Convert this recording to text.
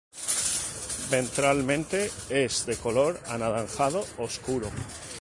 Ventralmente es de color anaranjado oscuro.